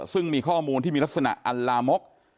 ซึ่งมีข้อมูลที่มีลักษณะอัลลามก